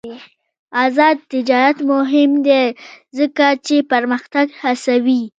آزاد تجارت مهم دی ځکه چې پرمختګ هڅوي.